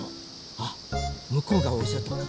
あっむこうがおそとか。